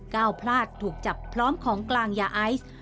ก้าวพลาดถูกจับพร้อมของกลางยาไอซ์